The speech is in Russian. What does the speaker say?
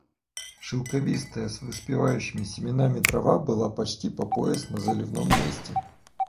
Шелковистая с выспевающими семенами трава была почти по пояс на заливном месте.